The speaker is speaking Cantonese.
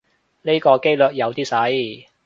呢個機率有啲細